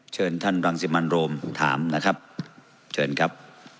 เชิญท่านรังสิมันโรมถามนะครับเชิญครับ